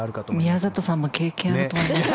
宮里さんも経験あると思いますが。